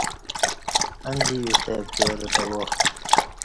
انجی یوستہ پتیارہ دوا